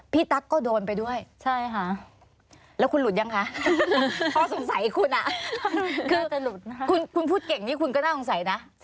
ตั๊กก็โดนไปด้วยใช่ค่ะแล้วคุณหลุดยังคะเขาสงสัยคุณอ่ะคุณพูดเก่งนี่คุณก็น่าสงสัยนะ